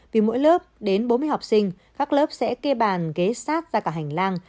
vì mỗi lớp đến bốn mươi học sinh các lớp sẽ kê bàn ghế sát ra cả hành lang